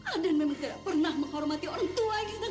aku memang tidak pernah menghormati orang tua yang sedang sekarang